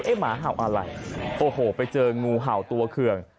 เฮ้ยหมาเจา๋งอะไรโอ้โหไปเจองงูเจา๋งตัวเครื่อง